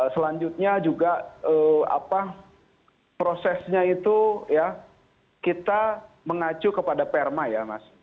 selanjutnya juga prosesnya itu ya kita mengacu kepada perma ya mas